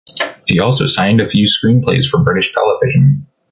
He also signed a few screenplays for British television.